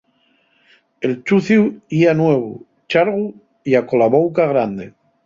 El ḷḷuciu yía nuevu, ḷḷargu ya cola bouca grande.